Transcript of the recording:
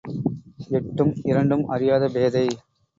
எட்டும் இரண்டும் அறியாத பேதை.